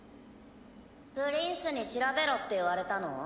プリンスに調べろって言われたの？